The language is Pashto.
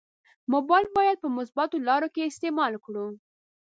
مبایل باید په مثبتو لارو کې استعمال کړو.